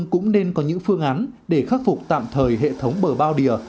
địa phương cũng nên có những phương án để khắc phục tạm thời hệ thống bờ bao địa